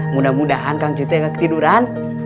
mudah mudahan kang cuytek nggak ketiduran